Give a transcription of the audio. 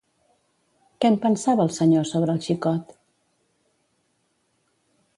Què en pensava el senyor sobre el xicot?